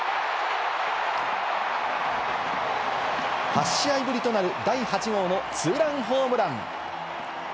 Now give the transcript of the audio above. ８試合ぶりとなる第８号のツーランホームラン。